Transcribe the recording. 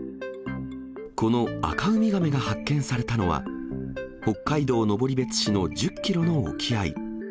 このアカウミガメが発見されたのは、北海道登別市の１０キロの沖合。